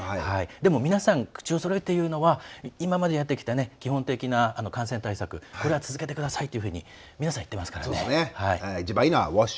皆さん、口をそろえて言うのは今までやってきた基本的な感染対策、これは続けてくださいっていうふうに一番いいのはＷａｓｈ！